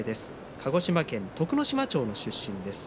鹿児島県徳之島町の出身です。